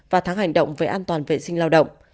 và tháng hành động về an toàn vệ sinh lao động